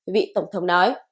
vị tổng thống nói